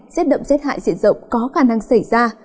xét đậm xét hại diện rộng có khả năng xảy ra